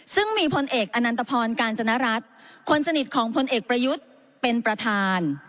ซึ่งมีพลเอกอนันตพรกาญจนรัฐคนสนิทของพลเอกประยุทธ์เป็นประธาน